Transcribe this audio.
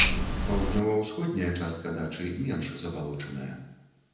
Паўднёва-ўсходняя частка дачы менш забалочаная.